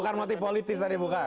bukan motif politis tadi bukan